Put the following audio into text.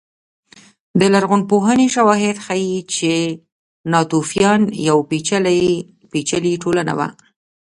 د لرغونپوهنې شواهد ښيي چې ناتوفیان یوه پېچلې ټولنه وه